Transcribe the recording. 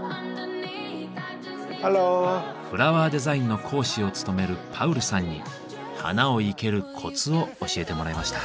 フラワーデザインの講師を務めるパウルさんに花を生けるコツを教えてもらいました。